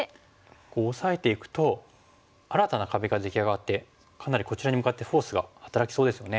こうオサえていくと新たな壁が出来上がってかなりこちらに向かってフォースが働きそうですよね。